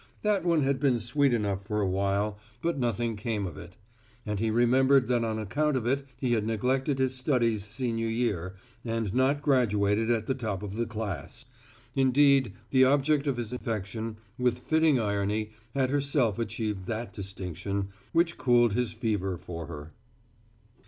That one had been sweet enough for awhile, but nothing came of it. And he remembered that on account of it he had neglected his studies senior year and not graduated at the top of the class. Indeed, the object of his affection, with fitting irony, had herself achieved that distinction, which cooled his fever for her.